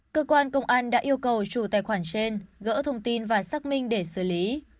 cơ quan công an đã yêu cầu chủ tài khoản trên gỡ thông tin và xác minh để xử lý